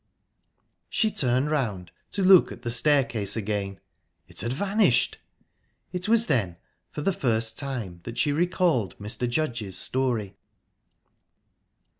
She turned round to look at the staircase again. It had vanished! ...It was then, for the first time, that she recalled Mr. Judge's story.